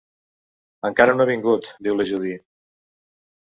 "Encara no ha vingut", diu la Judy.